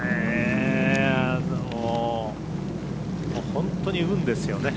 本当に運ですよね。